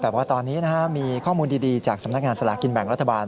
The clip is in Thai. แต่ว่าตอนนี้มีข้อมูลดีจากสำนักงานสลากินแบ่งรัฐบาล